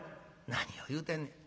「何を言うてんねん。